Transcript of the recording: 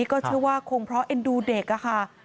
ก็เชื่อว่าคงเพราะเอ็นดูเด็กค่ะ